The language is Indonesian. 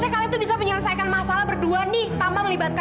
kalau ada nyulik dia gimana